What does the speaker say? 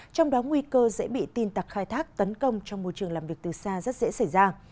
trong đó nguy cơ dễ bị tin tặc khai thác tấn công trong môi trường làm việc từ xa rất dễ xảy ra